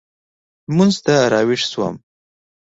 لمونځ ته راوېښ شوم.